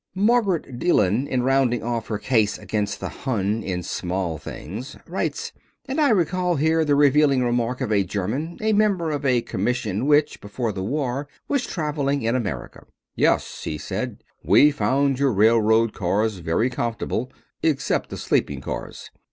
Margaret Deland, in rounding off her case against the Hun in Small Things, writes, "And I recall here the revealing remark of a German, a member of a commission which, before the war, was traveling in America: 'Yes,' he said, 'we found your railroad cars very comfortable except the sleeping cars.